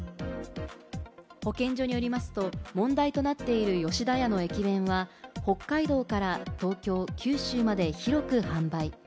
保健所によりますと、問題となっている吉田屋の駅弁は、北海道から東京、九州まで広く販売。